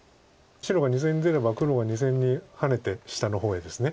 白が２線に出れば黒が２線にハネて下の方へです。